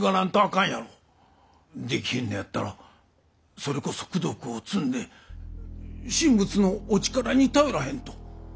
できひんのやったらそれこそ功徳を積んで神仏のお力に頼らへんと。